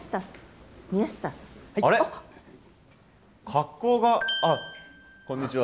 格好があっこんにちは。